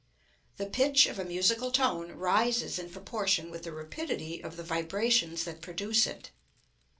The pitch of a musical tone rises in proportion with the rapidity of the vibrations that produce it.